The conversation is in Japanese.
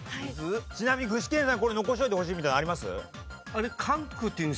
ちなみに具志堅さんこれ残しておいてほしいみたいなのあります？